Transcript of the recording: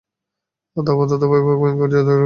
তারপর অত্যন্ত ভয়াবহ ও ভয়ংকর যুদ্ধের রূপ ধারণ করত।